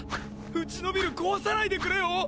うちのビル壊さないでくれよ！？